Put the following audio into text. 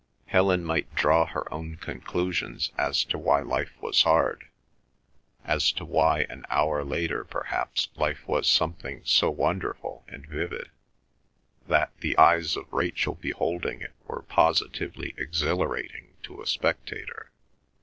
Helen might draw her own conclusions as to why life was hard, as to why an hour later, perhaps, life was something so wonderful and vivid that the eyes of Rachel beholding it were positively exhilarating to a spectator.